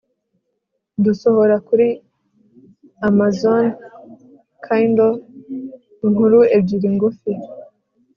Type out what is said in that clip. dusohora kuri Amazon Kindle inkuru ebyiri ngufi